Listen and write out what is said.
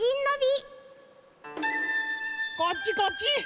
こっちこっち。